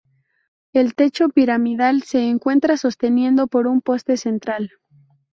El techo piramidal se encuentra sostenido por un poste central.